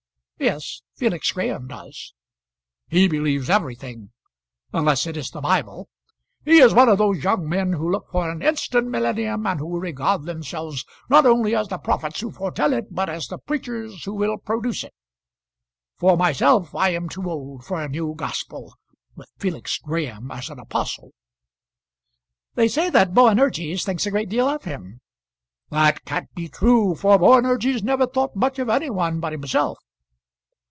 "Yes, Felix Graham does." "He believes everything unless it is the Bible. He is one of those young men who look for an instant millennium, and who regard themselves not only as the prophets who foretell it, but as the preachers who will produce it. For myself, I am too old for a new gospel, with Felix Graham as an apostle." "They say that Boanerges thinks a great deal of him." "That can't be true, for Boanerges never thought much of any one but himself.